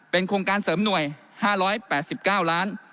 โครงการเสริมหน่วย๕๘๙ล้าน